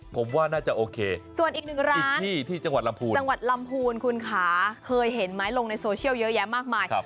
ผมว่าน่าจะโอเคส่วนอีกหนึ่งร้านจังหวัดลำพูนคุณขาเคยเห็นไหมลงในโซเชียลเยอะแยะมากมาย